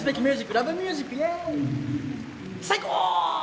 『Ｌｏｖｅｍｕｓｉｃ』最高！